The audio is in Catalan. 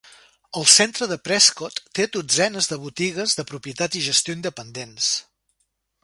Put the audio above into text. El centre de Prescott té dotzenes de botigues de propietat i gestió independents.